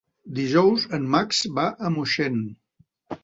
Dijous en Max va a Moixent.